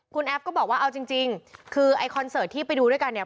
คุณแอฟก็บอกว่าเอาจริงคือไอ้คอนเสิร์ตที่ไปดูด้วยกันเนี่ย